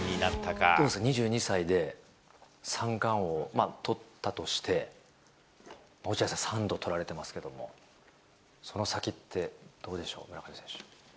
どうですか、２２歳で三冠王を取ったとして、落合さん、３度取られてますけども、その先ってどうでしょう、村上選手。